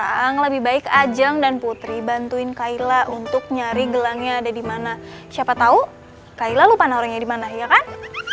nah sekarang lebih baik ajeng dan putri bantuin kaila untuk nyari gelangnya ada di mana siapa tahu kaila lupa narohnya dimana ya kan